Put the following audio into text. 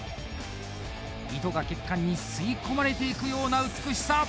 糸が血管に吸い込まれていくような美しさ。